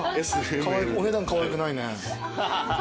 お値段かわいくないね。